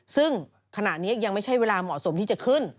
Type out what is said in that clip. ซึ่งขณะนี้ยังไม่ใช่เวลาเหมาะสมที่จะขึ้น